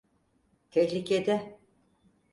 Tehlikede.